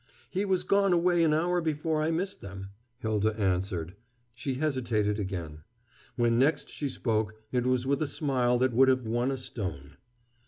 "He was gone away an hour before I missed them," Hylda answered. She hesitated again. When next she spoke it was with a smile that would have won a stone.